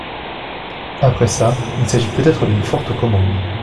Après ça, il s’agit peut-être d’une forte commande…